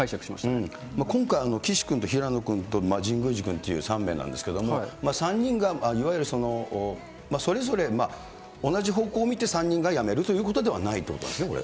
今回、岸君と平野君と神宮寺君という３名なんですけれども、３人がいわゆるそれぞれ同じ方向を見て、３人が辞めるということではないということなんですね、これ。